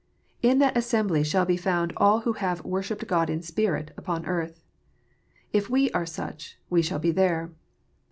In that assembly shall be found all who have " worshipped God in spirit " upon earth. If we are such, we shall be there.